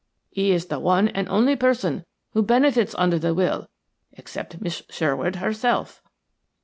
He is the one and only person who benefits under the will, except Miss Sherwood herself."